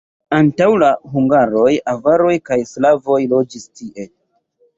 Antaŭ la hungaroj avaroj kaj slavoj loĝis tie.